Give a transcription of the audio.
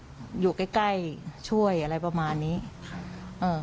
ให้คนอยู่ใกล้ใกล้ช่วยอะไรประมาณนี้ค่ะเออ